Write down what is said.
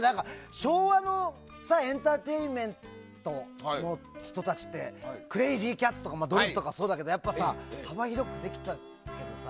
昭和のエンターテインメントの人たちってクレージーキャッツとかドリフとかそうだけどさ幅広くできちゃうからさ。